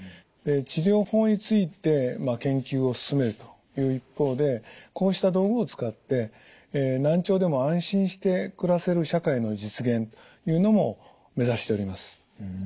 治療法について研究を進めるという一方でこうした道具を使って難聴でも安心して暮らせる社会の実現というのも目指しております。